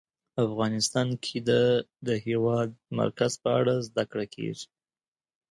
افغانستان کې د د هېواد مرکز په اړه زده کړه کېږي.